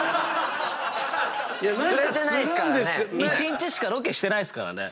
１日しかロケしてないっすからね